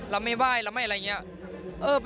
เราไม่ไหว้เราไม่อะไรอย่างนี้